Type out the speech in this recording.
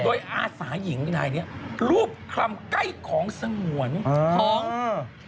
โดยอาสาหญิงนายเนี้ยรูปคำใกล้ของสงวนของเออ